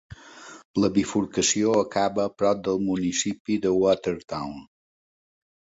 La bifurcació acaba a prop del municipi de Watertown.